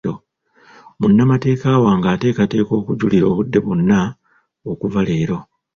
Munnamateeka wange ateekateeka okujulira obudde bwonna okuva leero.